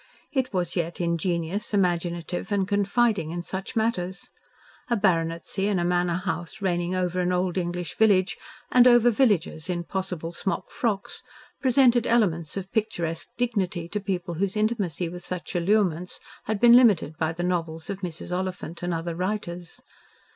It was yet ingenuous, imaginative and confiding in such matters. A baronetcy and a manor house reigning over an old English village and over villagers in possible smock frocks, presented elements of picturesque dignity to people whose intimacy with such allurements had been limited by the novels of Mrs. Oliphant and other writers.